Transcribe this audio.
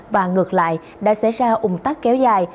và ngược lại đã xảy ra ủng tắc kéo dài